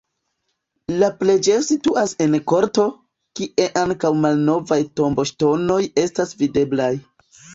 La preĝejo situas en korto, kie ankaŭ malnovaj tomboŝtonoj estas videblaj.